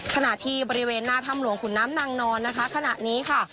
ขณะที่บริเวณหน้าถ้ำหลวงขุนน้ำนางนอนนะคะขณะนี้ค่ะ